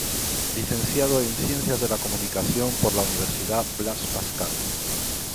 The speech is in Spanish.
Licenciado en Ciencias de la comunicación por la Universidad Blas Pascal.